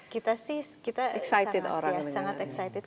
kita sih kita sangat excited